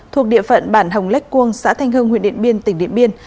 thuộc địa phận bản hồng lách quông xã thanh hưng huyện điện biên tỉnh điện biên